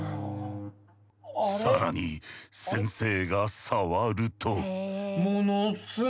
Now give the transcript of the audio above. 更に先生が触ると。